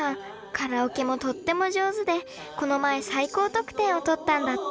カラオケもとっても上手でこの前最高得点を取ったんだって。